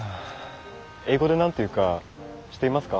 英語で何て言うか知っていますか？